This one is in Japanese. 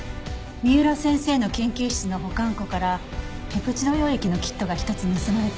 三浦先生の研究室の保管庫からペプチド溶液のキットが１つ盗まれていました。